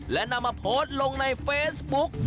และนำมาโพสต์ลงในเฟซบุ๊ก